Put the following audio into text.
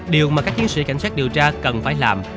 điều mà các chiến sĩ cảnh sát điều tra cần phải làm